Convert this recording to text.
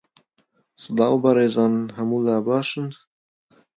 سڵاو بەڕێزان، هەوو لا باشن